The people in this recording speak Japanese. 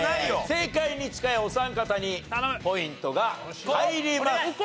正解に近いお三方にポイントが入ります。